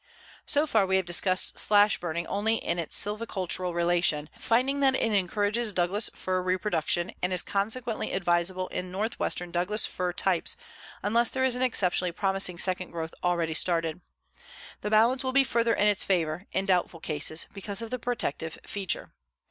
So far we have discussed slash burning only in its sylvicultural relation, finding that it encourages Douglas fir reproduction and is consequently advisable in Northwestern Douglas fir types unless there is an exceptionally promising second growth already started. The balance will be further in its favor, in doubtful cases, because of the protective feature.